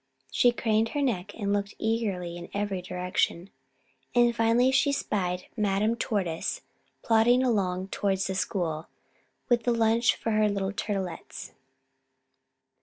She craned her neck and looked eagerly in every direction. And finally she spied Madame Tortoise plodding along towards the school, with the lunch for her little Turtlets.